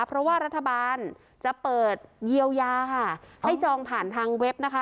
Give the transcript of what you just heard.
เพราะว่ารัฐบาลจะเปิดเยียวยาค่ะให้จองผ่านทางเว็บนะคะ